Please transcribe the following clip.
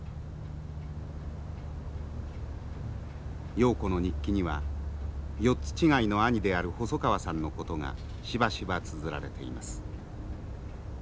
瑤子の日記には４つ違いの兄である細川さんのことがしばしばつづられています。